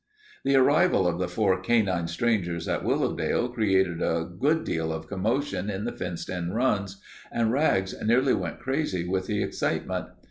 The arrival of the four canine strangers at Willowdale created a good deal of commotion in the fenced in runs, and Rags nearly went crazy with the excitement.